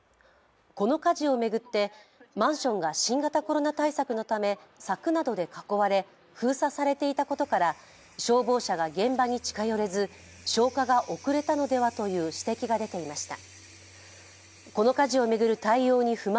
この火事を巡ってマンションが新型コロナ対策のため柵などで囲われ封鎖されていたことから消防車が現場に近寄れず消火が遅れたのではとの指摘が出ていました。